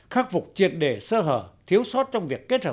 khắc phục triệt đề sơ hở thiếu sót trong việc kết hợp tổ chức